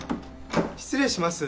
失礼します。